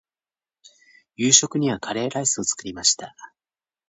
夕食にはカレーライスを作りました。